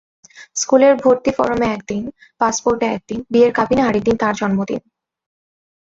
স্কুলের ভর্তি ফরমে একদিন, পাসপোর্টে একদিন, বিয়ের কাবিনে আরেকদিন তাঁর জন্মদিন।